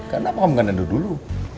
kenapa kamu gak nandu dulu